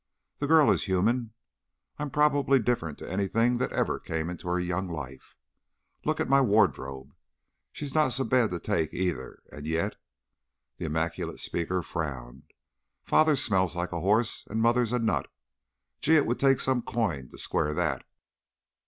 The girl is human. I'm probably different to anything that ever came into her young life. Look at my wardrobe! She's not so bad to take, either, and yet " The immaculate speaker frowned. "Father smells like a horse, and mother's a nut! Gee! It would take some coin to square that."